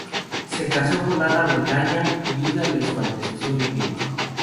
Se casó con Ana de Bretaña, viuda de su antecesor y primo.